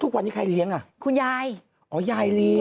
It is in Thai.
ทุกวันนี้ใครเลี้ยงอ่ะคุณยายอ๋อยายเลี้ยง